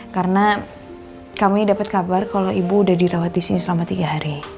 karena kami dapet kabar kalo ibu udah dirawat disini selama tiga hari